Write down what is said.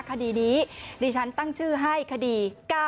คดีนี้ดิฉันตั้งชื่อให้คดี๙๙